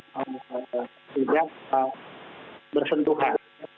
kalau misalnya tiga bersentuhan